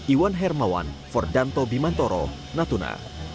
iwan hermawan fordanto bimantoro natuna